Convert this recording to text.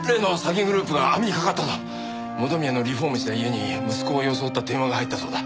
元宮のリフォームした家に息子を装った電話が入ったそうだ。